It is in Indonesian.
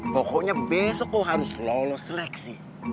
pokoknya besok kamu harus lulus seleksi